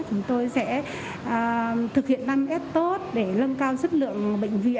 chúng tôi sẽ thực hiện năm s tốt để nâng cao sức lượng bệnh viện